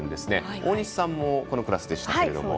大西さんもこのクラスでした。